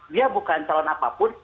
dia bukan calon apapun